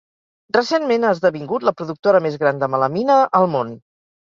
Recentment ha esdevingut la productora més gran de melamina al món.